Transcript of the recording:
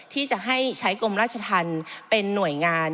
ที่จะให้ใช้กรมราชธรรมเป็นหน่วยงาน